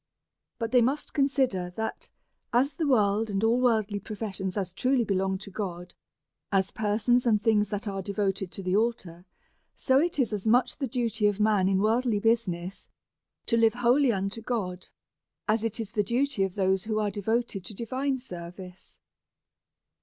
But they must consider, that as the world and all worldly pro fessions as truly belong to God as persons and things that arc devoted to the altar ; so it is as much the duty of men in worldly business to live wholly unto God, as it is the duty of those who are devoted to divine service.